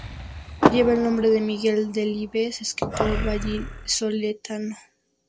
Lleva el nombre de Miguel Delibes, escritor vallisoletano.